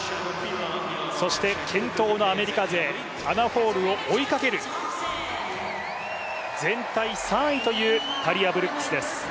健闘のアメリカ勢、アナ・ホールを追いかける、全体３位というタリヤ・ブルックスです。